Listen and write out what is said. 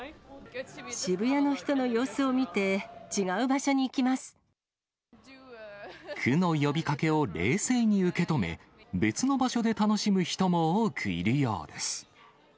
渋谷の人の様子を見て、区の呼びかけを冷静に受け止め、別の場所で楽しむ人も多くいるようです。